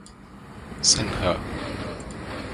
Sinha.